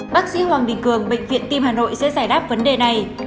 bác sĩ hoàng đình cường bệnh viện tim hà nội sẽ giải đáp vấn đề này